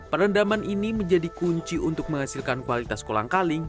perendaman ini menjadi kunci untuk menghasilkan kualitas kolang kaling